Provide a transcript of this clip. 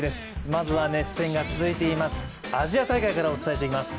まずは熱戦が続いていますアジア大会からお伝えしていきます。